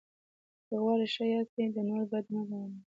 که غواړې ښه یاد سې، د نور بد مه بيانوه!